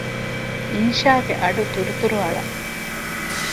އިންޝާގެ އަޑު ތުރުތުރު އަޅަ